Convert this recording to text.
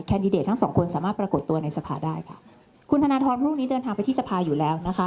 ดิเดตทั้งสองคนสามารถปรากฏตัวในสภาได้ค่ะคุณธนทรพรุ่งนี้เดินทางไปที่สภาอยู่แล้วนะคะ